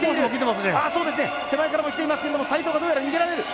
手前からもきていますけれども齋藤がどうやら逃げられる！